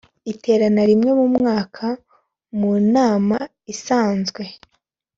iterana rimwe mu mwaka mu nama isanzwe